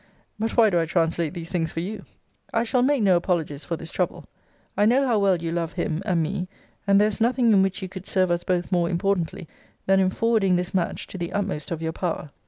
But why do I translate these things for you? I shall make no apologies for this trouble. I know how well you love him and me; and there is nothing in which you could serve us both more importantly, than in forwarding this match to the utmost of your power.